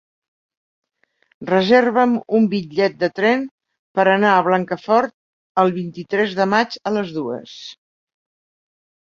Reserva'm un bitllet de tren per anar a Blancafort el vint-i-tres de maig a les dues.